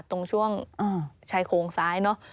ตรงช่วงชายโครงซ้าย